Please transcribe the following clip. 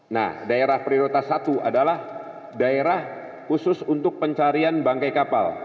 nah daerah prioritas satu adalah daerah khusus untuk pencarian bangkai kapal